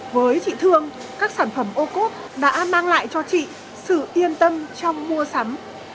với chị thương các sản phẩm ô cốt đã mang lại cho chị sự yên tâm trong mua sắm